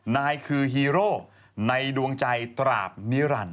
นายคือฮีโร่ในดวงใจตราบนิรันดิ